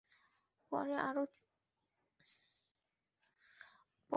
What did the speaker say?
পরে আরও তিনটি ঘাট বসিয়ে জেলেদের কাছ থেকে চাঁদা আদায় শুরু করে।